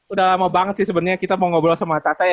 udah lama banget sih sebenarnya kita mau ngobrol sama tata ya